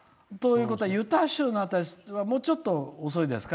ユタ州はもうちょっと遅いですか。